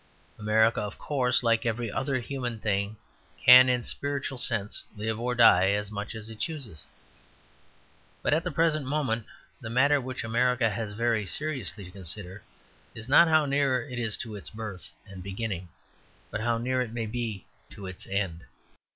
America, of course, like every other human thing, can in spiritual sense live or die as much as it chooses. But at the present moment the matter which America has very seriously to consider is not how near it is to its birth and beginning, but how near it may be to its end.